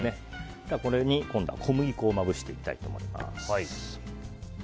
これに今度は小麦粉をまぶしていきたいと思います。